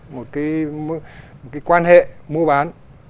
một cái một cái quan hệ mua bán